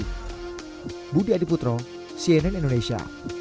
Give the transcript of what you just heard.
budi adiputro cnn indonesia